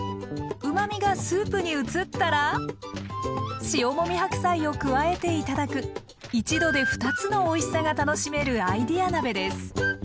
うまみがスープに移ったら塩もみ白菜を加えていただく一度で２つのおいしさが楽しめるアイデア鍋です。